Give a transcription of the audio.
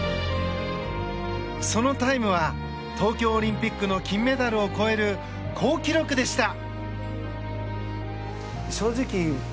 そのタイムは東京オリンピックの金メダルを超える高記録でした。